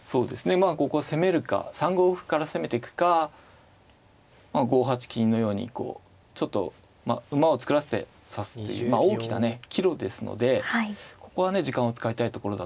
まあここは攻めるか３五歩から攻めてくか５八金のようにちょっと馬を作らせて指すっていうまあ大きなね岐路ですのでここはね時間を使いたいところだと思いますね。